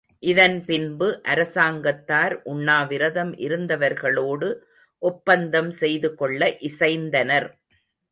இதன் பின்பு அரசாங்கத்தார் உண்ணாவிரதம் இருந்தவர்களோடு ஒப்பந்தம் செய்து கொள்ள இசைந்தனர்.